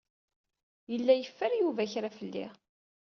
Yella yeffer Yuba kra fell-i.